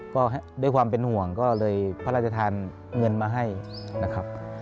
ก็ด้วยความเป็นห่วงก็เลยพระราชทานเงินมาให้นะครับ